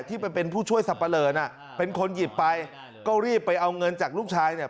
ที่เป็นผู้ช่วยสับปะเลินอ่ะเป็นคนหยิบไปก็รีบไปเอาเงินจากลูกชายเนี่ย